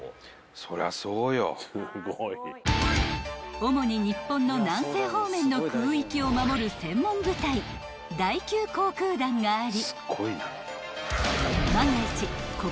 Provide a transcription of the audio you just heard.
［主に日本の南西方面の空域を守る専門部隊第９航空団があり］